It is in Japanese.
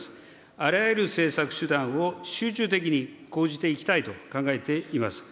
あらゆる政策手段を集中的に講じていきたいと考えています。